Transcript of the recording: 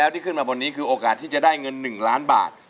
ที่จะได้เงิน๑ล้านบาท